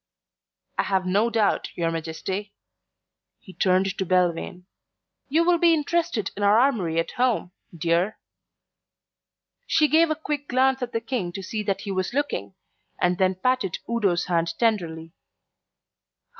"I have no doubt, your Majesty." He turned to Belvane. "You will be interested in our armoury at home, dear." She gave a quick glance at the King to see that he was looking, and then patted Udo's hand tenderly.